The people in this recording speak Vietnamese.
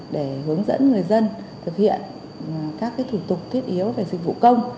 để hướng dẫn người dân thực hiện các thủ tục thiết yếu về dịch vụ công